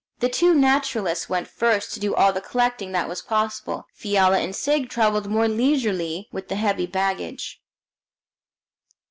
The two naturalists went first, to do all the collecting that was possible; Fiala and Sigg travelled more leisurely, with the heavy baggage.